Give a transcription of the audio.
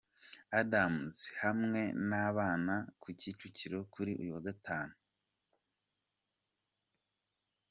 Adams hamwe n’abana ku Kicukiro kuri uyu wa gatanu.